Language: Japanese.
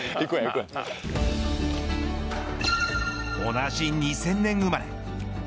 同じ２０００年生まれ。